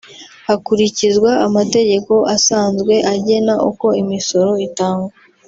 hakurikizwa amategeko asanzwe agena uko imisoro itangwa